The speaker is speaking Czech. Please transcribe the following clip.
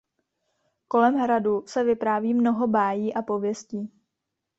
Kolem hradu se vypráví mnoho bájí a pověstí.